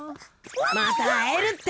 また会えるって。